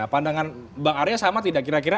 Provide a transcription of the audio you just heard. pandangan bang arya sama tidak kira kira